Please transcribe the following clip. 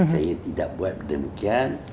saya tidak buat demikian